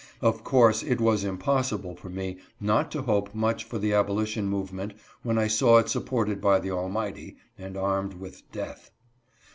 Of course it was impos sible for me mTt_toJhope much for the abolition movement when I saw it supported by the Almighty, and armed : with DEATH.